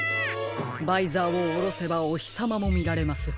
バイザーをおろせばおひさまもみられます。